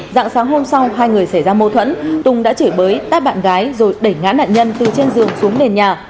dạng sáng hôm sau hai người xảy ra mâu thuẫn tùng đã chửi bới tát bạn gái rồi đẩy ngã nạn nhân từ trên giường xuống nền nhà